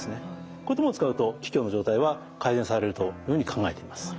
こういったものを使うと気虚の状態は改善されるというふうに考えています。